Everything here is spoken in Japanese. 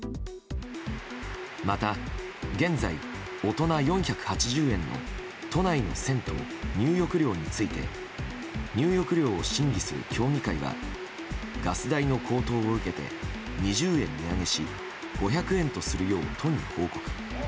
また現在、大人４８０円の都内の銭湯入浴料について入浴料を審議する協議会はガス代の高騰を受けて２０円値上げし５００円とするよう都に報告。